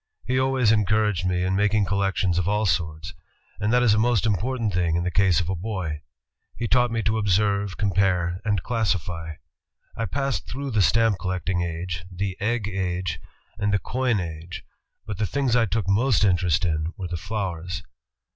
He always encouraged me in making collections of all sorts, and that is a most important thing in the case of a boy. He taught me to observe, compare, and classify. I passed through the stamp collecting age, the egg age, and the coin age, but the things I took most interest in were the flowers.